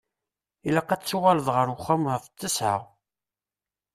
Ilaq ad d-tuɣaleḍ ɣer uxxam ɣef ttesεa.